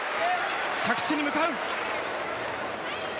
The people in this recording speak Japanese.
着地に向かう。